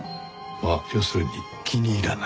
まあ要するに気に入らない。